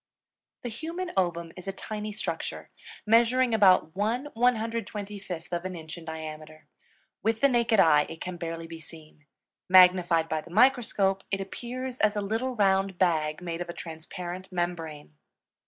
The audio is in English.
The human ovum is a tiny structure, measuring about 1/125 of an inch in diameter. With the naked eye it can barely be seen; magnified by the microscope it appears as a little round bag made of a transparent membrane.